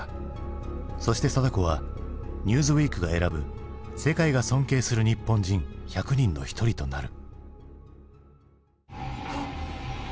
そして貞子は「Ｎｅｗｓｗｅｅｋ」が選ぶ世界が尊敬する日本人１００人の一人となる。